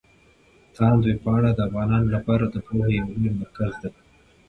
تاند ویبپاڼه د افغانانو لپاره د پوهې يو لوی مرکز دی.